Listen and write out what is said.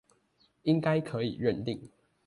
應該可以認定